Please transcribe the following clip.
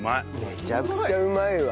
めちゃくちゃうまいわ。